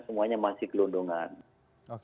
semuanya masih kelondongan oke